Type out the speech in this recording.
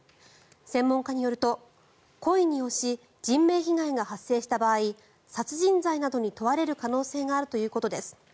専門家によると故意に押し、人命被害が発生した場合殺人罪などに問われる可能性があるということです。